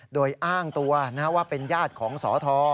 โดยอ้างตัวว่าเป็นญาติของสอท